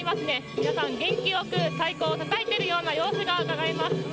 皆さん、元気良く太鼓をたたいている様子がうかがえます。